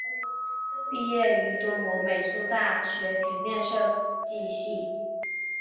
毕业于多摩美术大学平面设计系。